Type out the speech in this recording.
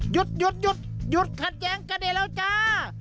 หยุดหยุดหยุดหยุดขาแจงกระเด็นแล้วจ้า